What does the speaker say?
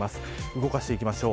動かしていきましょう。